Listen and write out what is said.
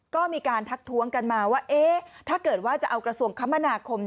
ก็มีการทักท้วงกันมาว่าถ้าเกิดว่าจะเอากระทรวงคมนาคม